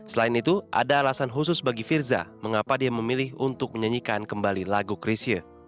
selain itu ada alasan khusus bagi firza mengapa dia memilih untuk menyanyikan kembali lagu krisha